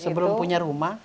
sebelum punya rumah